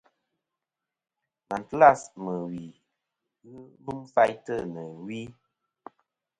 Màtlas mɨ̀ wì ghɨ lum faytɨ nɨ̀ wi.